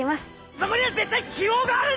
そこには絶対希望があるんです！